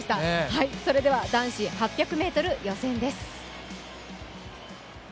それでは男子８００ｍ予選です。